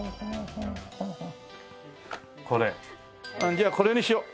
じゃあこれにしよう。